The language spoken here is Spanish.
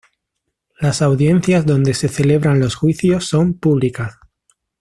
Las audiencias donde se celebran los juicios son públicas.